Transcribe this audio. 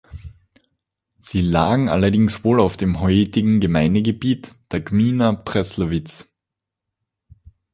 Sie lagen allerdings wohl auf dem heutigen Gemeindegebiet der Gmina Przelewice.